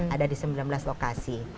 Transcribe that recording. ada di sembilan belas lokasi